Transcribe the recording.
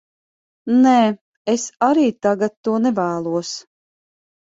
Nē, es arī tagad to nevēlos.